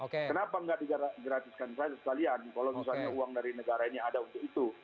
kenapa nggak digratiskan saja sekalian kalau misalnya uang dari negara ini ada untuk itu